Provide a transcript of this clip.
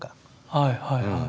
はいはいはい。